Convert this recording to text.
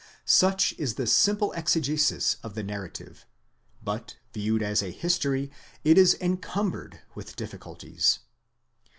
Such is the simple exegesis. of the narrative, but viewed as a history it is encumbered with difficulties.